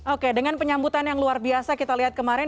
oke dengan penyambutan yang luar biasa kita lihat kemarin